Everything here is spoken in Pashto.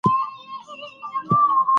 د اتوم کتله بدلون مومي.